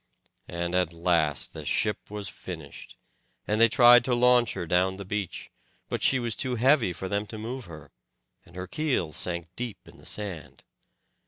And at last the ship was finished, and they tried to launch her down the beach; but she was too heavy for them to move her, and her keel sank deep in the sand.